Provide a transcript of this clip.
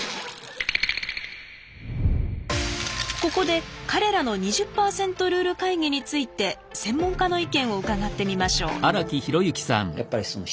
ここで彼らの２０％ルール会議について専門家の意見を伺ってみましょう。